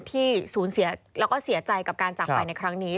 ที่สูญเสียแล้วก็เสียใจกับการจากไปในครั้งนี้